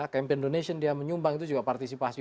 campaign donation dia menyumbang itu juga partisipasi